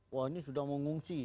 wah ini sudah mengungsi